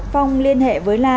phong liên hệ với la